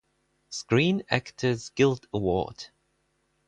Screen Actors Guild Award